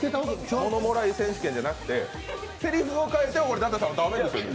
ものもらい選手権じゃなくてせりふ変えたら駄目ですよね？